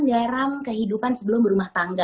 garam kehidupan sebelum berumah tangga